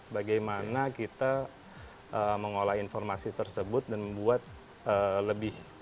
bagaimana kita mengolah informasi tersebut dan membuat lebih